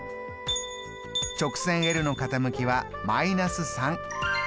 直線ｌの傾きは−３。